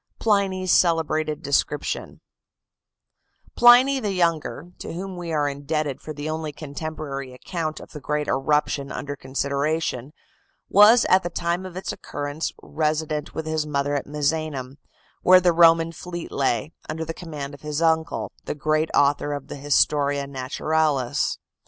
PLINY'S CELEBRATED DESCRIPTION Pliny the Younger, to whom we are indebted for the only contemporary account of the great eruption under consideration, was at the time of its occurrence resident with his mother at Misenum, where the Roman fleet lay, under the command of his uncle, the great author of the "Historia Naturalis".